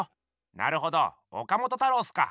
なるほど岡本太郎っすか！